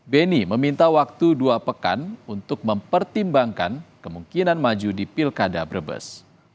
beni meminta waktu dua pekan untuk mempertimbangkan kemungkinan maju di pilkada brebes